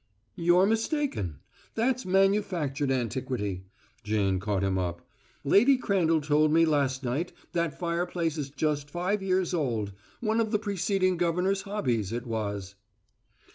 "You're mistaken; that's manufactured antiquity," Jane caught him up. "Lady Crandall told me last night that fireplace is just five years old. One of the preceding governor's hobbies, it was."